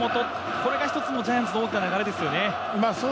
これが一つジャイアンツの流れですよね。